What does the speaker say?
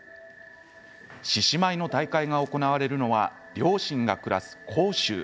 獅子舞の大会が行われるのは両親が暮らす広州。